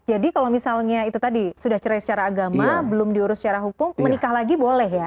jadi kalau misalnya itu tadi sudah cerai secara agama belum diurus secara hukum menikah lagi boleh ya